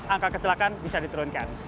angka kecelakaan bisa diturunkan